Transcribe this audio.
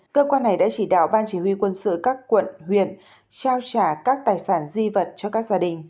cơ quan này đã chỉ đạo ban chỉ huy quân sự các quận huyện trao trả các tài sản di vật cho các gia đình